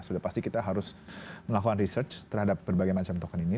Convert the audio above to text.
sudah pasti kita harus melakukan research terhadap berbagai macam token ini